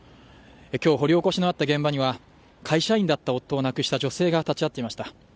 今日掘り起こしのあった現場には会社員だった夫を亡くした女性が立ち会っていました。